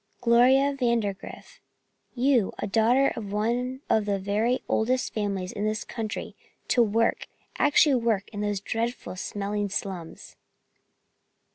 "Gloria Vandergrift; you, a daughter of one of the very oldest families in this country, to work, actually work in those dreadful smelling slums."